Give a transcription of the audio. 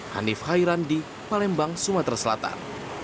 hanif khairandi palembang sumatera selatan